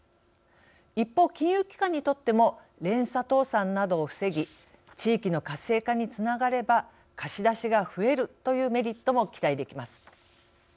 一方金融機関にとっても連鎖倒産などを防ぎ地域の活性化につながれば貸し出しが増えるというメリットも期待できます。